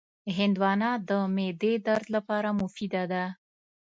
هندوانه د معدې درد لپاره مفیده ده.